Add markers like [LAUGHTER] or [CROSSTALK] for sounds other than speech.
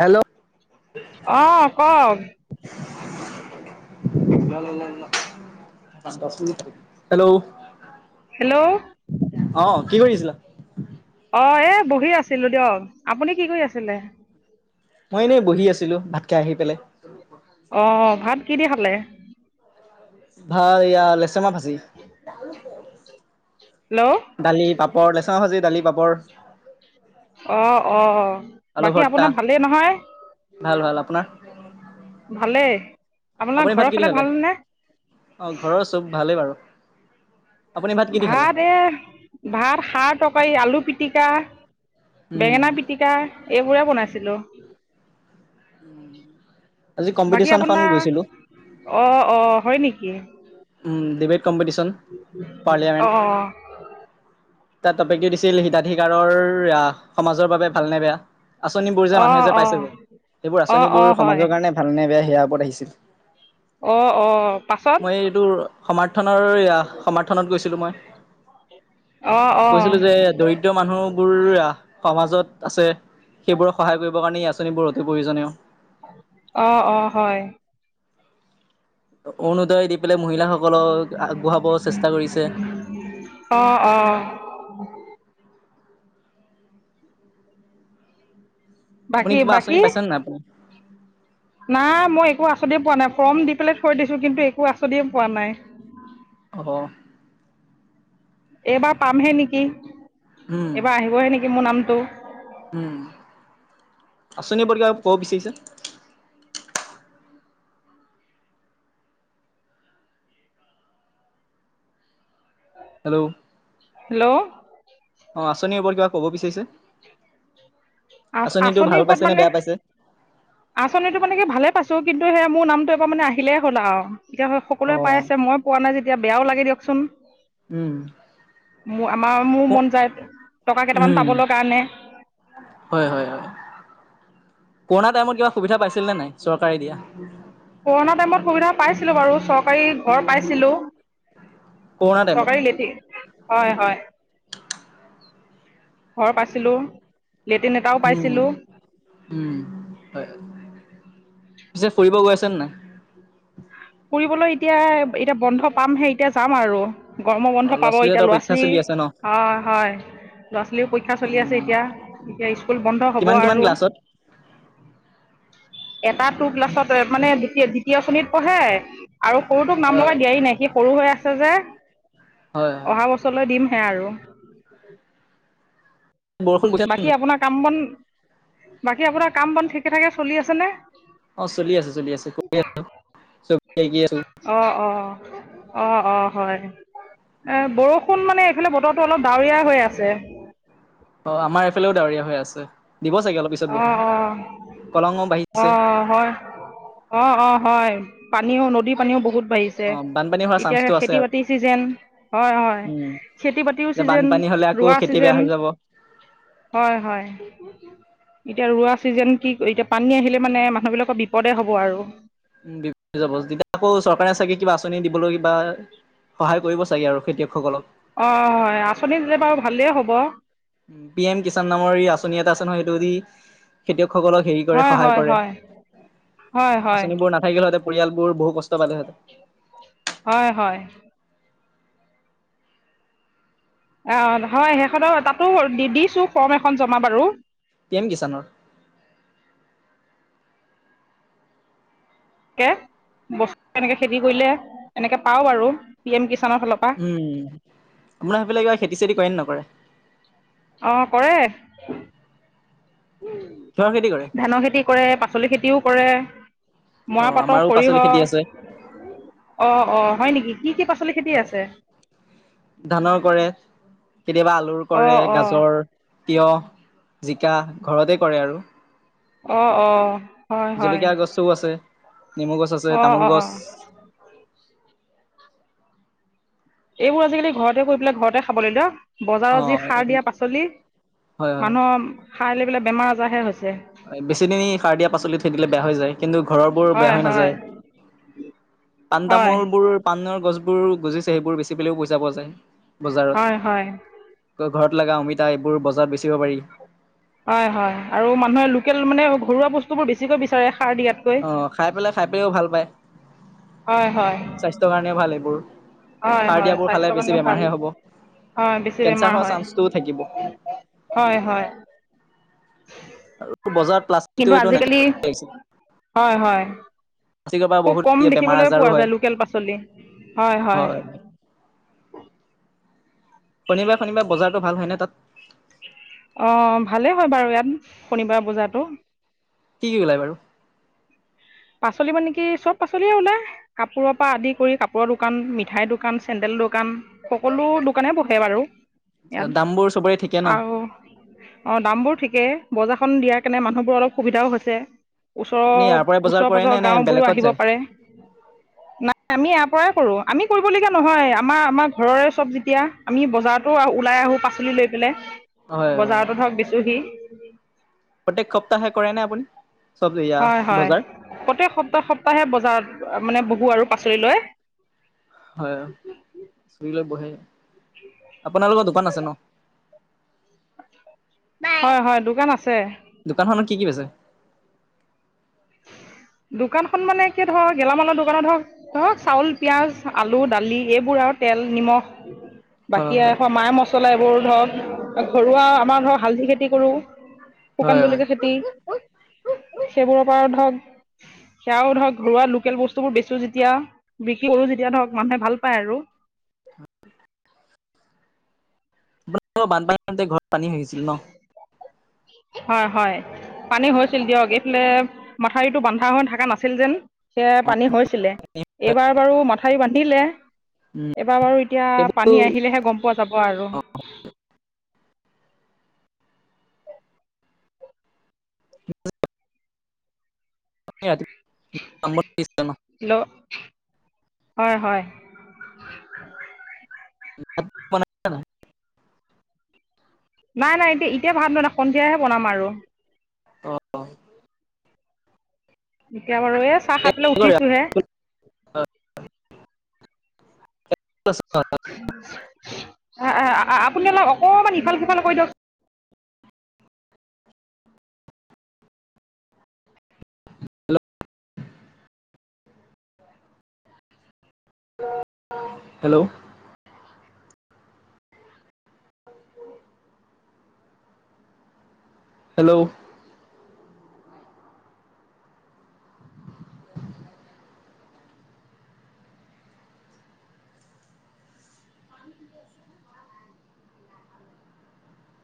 Hello ', অ', অ'ক, অ [INAUDIBLE] hello [INAUDIBLE] hello অ কি কৰি আছিলা? অ এই বহি আছিলো দিয়ক আপুনি কি কৰি আছিলে? মই এনেই বহি আছিলো ভাত খাই আহি পেলাই। অঁ ভাত কি দি খালে? ভাত ইয়াাৰ লেচেৰা মাহ ভাঁজি। হেল্ল' দালি, পাপৰ, লেচেৰা ভাজি, দালি, পাপৰ অ', অ', আলু বাকী ভৰ্তা। আপোনাৰ ভালেই নহয়? ভাল ভাল আপোনাৰ [INAUDIBLE] ভালেই আপোনাৰ আপুনি ভাত ঘৰৰ কি দি ফালে খালে? ভাল নে? অ ঘৰৰ চব ভালেই বাৰু। আপুনি কি দি খালে? ভাত এ ভাত, সাৰ, তৰকাৰী, আলু পিটিকা উম বেঙেনা পিটিকা, এইবোৰে বনাইছিলো। আজি বাকী কম্পিটিশ্যন এখন আপোনাৰ গৈছিলোঁ। অ', অ হয় নেকি? এ [INAUDIBLE] উ ডিবেট কম্পিটিশন অঁ পাৰ্লিয়ামেণ্ট তাৰ টপিকটো দিছিল হিতাধিকাৰৰ সমাজৰ বাবে ভাল নে বেয়া? আঁচনিবোৰ যে অঁ মানুহে যে অঁ পাইছে যে সেইবোৰ অঁ অঁ আঁচনিবোৰ হয় সমাজৰ কাৰণে ভাল নে বেয়া সেয়া ওপৰত আহিছিল। অ', অ', পাছত? তোৰ সমৰ্থনৰ সমৰ্থনত গৈছিলো মই। অঁ অঁ কৈছিলো যে দৰিদ্ৰ মানুহ বোৰ সমাজত আছে সেইবোৰক সহায় কৰিব কাৰণে এই আঁচনিবোৰ অতি প্ৰয়োজনীয়। অ', অ', হয়। অৰুণোদই, কৰিছে। অ অ [INAUDIBLE] [INAUDIBLE] আপুনি বাকী কিবা আঁচনি বাকী পাইছে নে নাই? নাই মই একো আঁচনিয়ে পোৱা নাই, ফৰ্ম দি পেলাই থৈ দিছো কিন্তু একো আঁচনিয়ে পোৱা নাই। অম এইবাৰ পামহে নেকি, উম এইবাৰ আহিবহে নেকিমোৰ নামটো! উম' আঁচনি ওপৰত কিবা ক'ব বিচাৰিছে। Hello hello. অ' আঁচনিৰ ওপৰত কিবা ক'ব বিচাৰিছে। আঁচনিটো আ-আঁচনিৰ ভাল ওপৰত পাইছে নে মানে বেয়া পাইছে? আঁচনিতটো মানে কি ভালে পাইছো কিন্তু সে মোৰ নামটো এবাৰ মানে আহিলেই হ'ল আৰু, এতিয়া সকলোৱে পাই অ' আছে, মই পোৱা নাই যেতিয়া বেয়াও লাগে দি দিয়কচোন। উম'। মোৰ আমাৰ মোৰ মন যায়, টকা কেইটামান পাবলৈ কাৰণে হয়-হয়-হয় কৰুণা টাইমত কিবা সুবিধা পাইছিল নে নাই? চৰকাৰে দিয়া কৰণা টাইমত সুবিধা পাইছিলো বাৰু চৰকাৰী ঘৰ পাইছিলো। কৰোণা টাইমত? চৰকাৰী লেটিন হয়-হয়। [INAUDIBLE] ঘৰ পাইছিলো। উম- উম-হয়। পিছে ফুৰিব গৈ আছেনে নাই। ফুৰিবলৈ এতিয়া এতিয়া বন্ধ পামহে এতিয়া যাম আৰু গৰমৰ অ', বন্ধ ল'ৰা পাব এতিয়া ছোৱালীহঁতৰ পৰীক্ষা ল'ৰা-ছোৱালীৰ চলি আছে ন? হয়-হয়। ল'ৰা-ছোৱালীও পৰীক্ষা চলি আছে উম, এতিয়া, এতিয়া স্কুল বন্ধ হ'ব কিমান কিমান আৰু ক্লাছত? [INAUDIBLE] এটা টু ক্লাছত মানে দ্বিত-দ্বিতীয় শ্ৰেণীত পঢ়ে। আৰু সৰুটোক নাম অ', লগাই দিয়াই নাই, সি সৰু হৈ আছে যে হয়, হয়। অহা বছৰলৈ দিম। সে আৰু বৰষুণ দিছে নে বাকী নাই? আপোনাৰ কাম বন, বাকী আপোনাৰ কাম বন ঠিকে ঠাকে চলি আছেনে? অ' চলি আছে, চলি আছে কৈ আছো। অ', -অ', - অ', - অ', - হয়। এ বৰষুণ মানে এইফালে বতৰটো অলপ ডাৱৰীয়া হৈ আছে। অ' আমাৰ এইফালেও ডাৱৰীয়া হৈ আছে। দিব চাগে অলপ পিছত অঁ বৰষুণ, অঁ কলঙো বাঢ়িছে। অ', -অ', -হয় পানীও, নদীৰ পানীও বহুত বাঢ়িছে। অ', বানপানী হোৱাৰ এতিয়া চান্সটো আছে খেতি আৰু। বাতি চিজন হয়, হয় উম, খেতি-বাতি বাতিও চিজন ৰোৱা ছিজন অ'। হয় হয়। এতিয়া ৰোৱা চিজন কি, এতিয়া পানী আহিলে মানে মানুহ বিলাকৰ বিপদে হ'ব আৰু! উ দিতিয়া আকৌ চৰকাৰে চাগে কিবা আঁচনি দিবলৈ কিবা সহায় কৰিব চাগে আৰু খেতিয়কসকলক। অ'আঁচনি দিলে বাৰু ভালেই হ'ব। পি এম কিষাণ নামৰ এই আঁচনি এটা আছে নহয় সেইটো দি খেতিয়ক। লোকসকলক হেৰি কৰে হয় সহায় হয় কৰে, হয় হয় হয় আঁচনিবোৰ নাথাকিলে স পৰিয়ালবোৰ বহু কষ্ট পালেহেঁতেন হয়-হয়। অ' হয় সেইখনো তাতো দিছো ফৰ্ম এখন জমা বাৰু পি এম কিষাণৰ বস্তু এনেকে খেতি কৰিলে, এনেকে পাও বাৰু পি এম কিষাণ উম' আপোনাৰ সেইবিলাই কিবা আৰু খেতি-চেতি কৰে নে নকৰে। অ' কৰে। কিহৰ খেতি কৰে ধানৰ খেতি কৰে, পাচলি খেতিও কৰে অ মৰা আমাৰো পাচলি পাতৰ খেতি আছে সৰিয়হ অ', -অ'। হয় নেকি কি কি পাচলি খেতি হয় আছে। ধানৰ কৰে, কেতিয়াবা আলুৰ কৰে, অ' অ' গাজৰ-তিয়হ। জিকা ঘৰতে কৰে আৰু অ', -অ'। হয় হয় জলকীয়া গছোও আছে। নেমু গছ আছে, অ' তামোল অ' গছ অ' এইবোৰ আজিকালি ঘৰতে কৰি পেলাই ঘৰতে খাব লাগে অ বজাৰত যি সাৰ দিয়া পাচলি, হয় মানুহৰ সাৰ লৈ পেলে বেমাৰ-আজাৰহে হৈছে। বেছি দিন সাৰ দিয়া পাচলি থৈ দিলে বেয়া হৈ যায়। কিন্তু ঘৰৰ বোৰ বেয়া হয় হৈ হয় নাযায়। হয় পাণ-তামোলবোৰ পাণৰ গছবোৰ গজিছে, সেইবোৰ বেছি পেলও পইচা পোৱা যায় বজাৰত হয়-হয়। ঘৰত লগা অমিতা এইবোৰ বজাৰত বেচিব পাৰি। হয় হয় আৰু মানুহে লোকেল মানে ঘৰুৱা বস্তু বোৰ বেছিকৈ বিচাৰে। সাৰ দিয়াতকৈ অ' খাই পেলাই, খাই পাইও ভাল পায়। হয় হয় স্বাস্থ্যৰ কাৰণে ভাল এইবোৰ হয় সাৰ হয় দিয়াবোৰ খালে স্বাস্থ্যৰ বেছি কাৰণেও ভাল বেমাৰহে হ'ব। হয়, বেছি কেঞ্চাৰ বেমাৰ হোৱাৰ চান্সটোও থাকিব হয়- হয়-হয়। বজাৰত প্লাষ্টিকটো কিন্তু এইটো আজিকালি নাইকিয়া লাগিছে, হয়-হয়। প্লাষ্টিকৰ পৰা খুব বহুত কম বেমাৰ দেখিবলৈ আজাৰো পোৱা হয় যায় লোকেল পাচলি, হয় হয়। শনিবাৰে, শনিবাৰে বজাৰতটো ভাল হয় ন' তাত। অ' ভালেই হয় বাৰু ইয়াত শনিবাৰ পূজাতো কি কি লাই বাৰু? পাচলি মানে কি চব পাচলিয়ে ওলায়, কাপোৰৰ পৰা আদি কৰি কাপোৰৰ দোকান, মিঠাইৰ দোকান, চেণ্ডেল দোকান। সকলো দোকানে বহে বাৰু ইয়াত দামবোৰ চবৰে ঠিকে ন? আৰু অ' দাম বোৰ ঠিকে, বজাৰ খন দিয়াৰ কাৰণে মানুহবোৰৰ অলপ সুবিধাও হৈছে, আপুনি ইয়াৰ ওচৰৰ পৰাই বজাৰ ওচৰ কৰে পাজৰ নে নে গাঁওবোৰো বেলেগত আহিব যায় পাৰে নাই আমি ইয়াৰ পৰাই কৰোঁ। আমি কৰিবলগীয়া নহয়, আমাৰ আমাৰ ঘৰৰে চব যেতিয়া আমি বজাৰতো ওলাই আহোঁ, পাচলি লৈ পেলাই হয় হয়। বজাৰতো ধৰক দিছোহি প্ৰত্যেক সপ্তাহে কৰে নে আপুনি? চব এয়া হয় হয়, বজাৰ প্ৰত্যেক সপ্তাহ সপ্তাহে বজাৰত মানে আৰু পাচলি লৈ হয় [UNINTELLIGIBLE] বহে। আপোনালোকৰ দোকান আছে ন? হয়-হয় দোকান আছে। দোকানখনত কি কি বেছে? [INAUDIBLE] দোকানখন মানে কি ধৰক গেলামালৰ দোকানত ধৰক, ধৰক চাউল পিঁয়াজ আলু দালি এইবোৰ আৰু তেল, নিমখ হয় বাকী হয় এখন মা মছলা এইবোৰ ধৰক ঘৰুৱা আমাৰ ধৰক, হালধি খেতি কৰো। হয় শুকান হয় জলকীয়া খেতি, সেইবোৰৰ পৰা ধৰক সেয়াও ধৰক ৰোৱা লোকেল বস্তুবোৰ বেছি যেতিয়া বিক্ৰী কৰো, যেতিয়া ধৰক মানুহে ভাল পায় আৰু আপোনাৰ বানপানীতে ঘৰত পানী হৈ গৈছিল ন'। হয়-হয়। পানী হৈছিল দিয়ক, এইফালে মাথাউৰিটো বন্ধা হৈ থকা নাছিল যেন, সেয়া অ পানী হৈছিলে। এইবাৰ বাৰু মথাউৰি বান্ধিলে এবাৰ বাৰু, এতিয়া সেইবোৰ পানী আহিলেহে গম পোৱা যাব আৰু। [INAUDIBLE] [UNINTELLIGIBLE] ৰাতিপুৱা হেল্ল', হয়, হয়। [UNINTELLIGIBLE] নাই নাই, এতি-এতিয়া ভাত নবনা, সন্ধিয়াহে বনাম আৰু। অ', অ '। এতিয়া বাৰু এ চাহ খাই পেলাই উঠিছোহে। আ-আ আপুনি অলপ অকমান ইফাল সিফাল কৰি দিয়ক হেল্ল'। হেল্ল'।